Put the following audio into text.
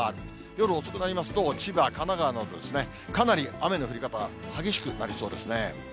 夜遅くなりますと、千葉、神奈川など、かなり雨の降り方は激しくなりそうですね。